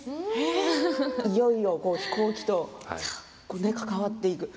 いよいよ飛行機と関わっていく。